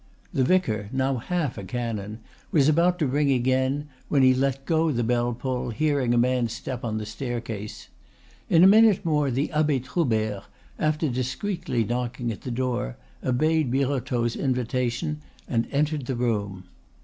The vicar, now half a canon, was about to ring again, when he let go the bell pull, hearing a man's step on the staircase. In a minute more the Abbe Troubert, after discreetly knocking at the door, obeyed Birotteau's invitation and entered the room.